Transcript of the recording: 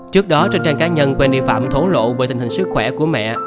trước đó trên trang cá nhân wendy pham thổ lộ về tình hình sức khỏe của mẹ